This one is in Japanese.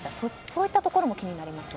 そういったところも気になります。